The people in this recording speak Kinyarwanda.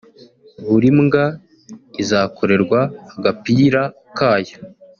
buri mbwa izakorerwa agapira kayo